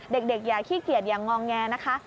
อย่าขี้เกียจอย่างงองแงนะคะ